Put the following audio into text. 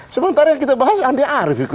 sementara kita bahas andi arief gitu ya